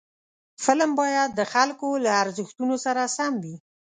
فلم باید د خلکو له ارزښتونو سره سم وي